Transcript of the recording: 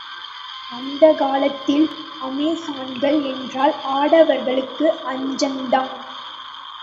அந்தக் காலத்தில் அமெசான்கள் என்றால், ஆடவர்களுக்கு அச்சந்தான்.